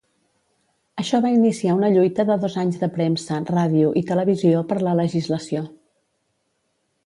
Això va iniciar una lluita de dos anys de premsa, ràdio i televisió per la legislació.